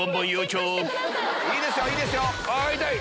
いいですよいいですよ！